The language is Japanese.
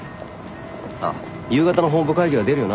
あっ夕方の本部会議は出るよな？